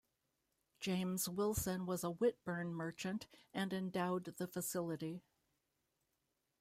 James Wilson was a Whitburn merchant and endowed the facility.